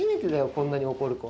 こんなに怒る子。